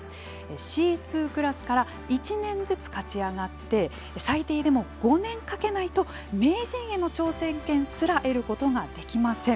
Ｃ２クラスから１年ずつ勝ち上がって最低でも５年かけないと名人への挑戦権すら得ることができません。